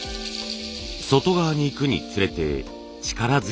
外側にいくにつれて力強く。